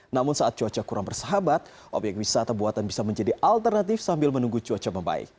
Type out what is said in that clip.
namun saat cuaca kurang bersahabat obyek wisata buatan bisa menjadi alternatif sambil menunggu cuaca membaik